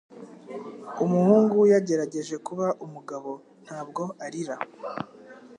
Umuhungu yagerageje kuba umugabo ntabwo arira.